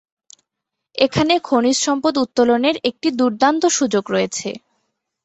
এখানে খনিজ সম্পদ উত্তোলনের একটি দুর্দান্ত সুযোগ রয়েছে।